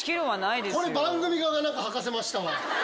これ番組側がはかせましたわ。